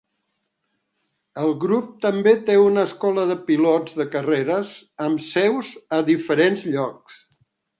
El grup també té una escola de pilots de carreres amb seus a diferents llocs.